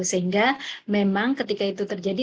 sehingga memang ketika itu terjadi